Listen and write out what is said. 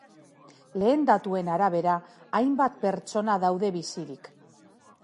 Lehen datuen arabera, hainbat pertsona daude bizirik.